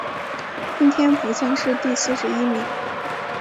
应天府乡试第四十一名。